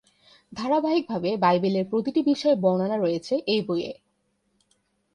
ধারাবাহিকভাবে বাইবেলের প্রতিটি বিষয়ের বর্ণনা রয়েছে এই বইয়ে।